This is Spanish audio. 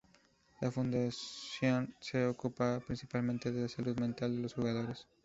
La Fundación se ocupará principalmente de la salud mental de los jugadores.